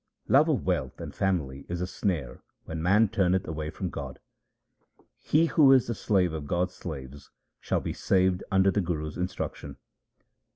Love of wealth and family is a snare when man turneth away from God. He who is the slave of God's slaves shall be saved under the Guru's instruction.